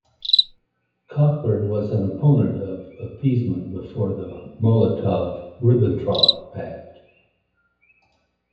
Cockburn was an opponent of appeasement before the Molotov-Ribbentrop Pact.